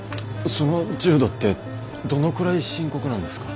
その重度ってどのくらい深刻なんですか？